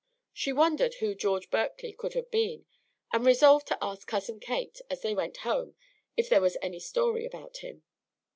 She wondered who George Berkeley could have been, and resolved to ask Cousin Kate as they went home if there was any story about him.